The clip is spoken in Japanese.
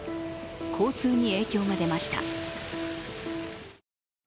交通に影響が出ました。